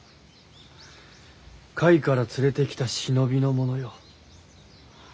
甲斐から連れてきた忍びの者よ。